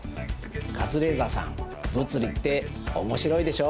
カズレーザーさん物理って面白いでしょ？